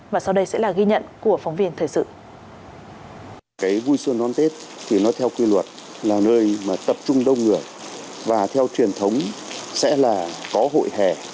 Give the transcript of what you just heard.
vui xuân non tết thì nó theo quy luật là nơi mà tập trung đông ngược và theo truyền thống sẽ là có hội hẻ